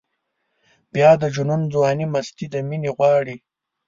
بیا د جنون ځواني مستي د مینې غواړي.